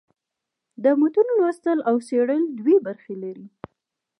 د متون لوستل او څېړل دوې موخي لري.